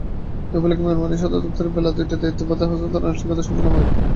এ উপলক্ষে বিমানবাহিনী সদর দপ্তরে বেলা দুইটায় দায়িত্বভার হস্তান্তরের আনুষ্ঠানিকতা সম্পন্ন হয়।